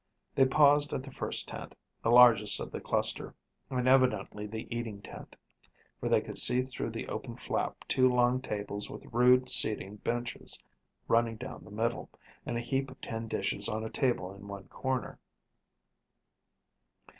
They paused at the first tent, the largest of the cluster, and evidently the eating tent, for they could see through the open flap two long tables with rude seating benches running down the middle, and a heap of tin dishes on a table in one corner.